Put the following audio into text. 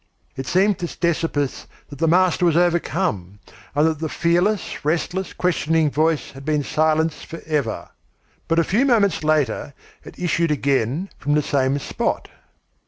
It seemed to Ctesippus that the master was overcome, and that the fearless, restless, questioning voice had been silenced forever. But a few moments later it issued again from the same spot.